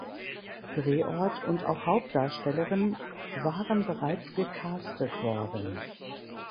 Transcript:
Drehort und auch Hauptdarstellerin waren bereits gecastet worden.